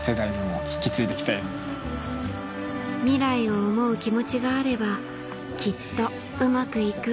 未来を思う気持ちがあればきっとウマくいく